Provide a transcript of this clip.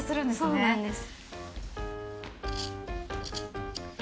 そうなんです。